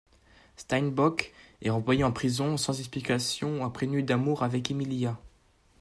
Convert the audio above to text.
Steinbock est renvoyé en prison sans explication après une nuit d'amour avec Emilia.